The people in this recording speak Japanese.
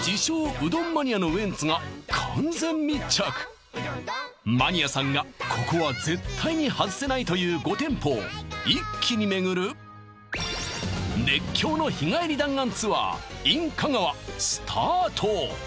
うどんマニアのウエンツが完全密着マニアさんがここは絶対に外せないという５店舗を一気に巡る熱狂の日帰り弾丸ツアーＩＮ香川スタート